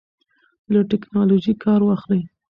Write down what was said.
له ټیکنالوژۍ کار واخلئ.